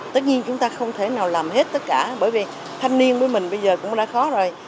tất nhiên chúng ta không thể nào làm hết tất cả bởi vì thanh niên với mình bây giờ cũng đã khó rồi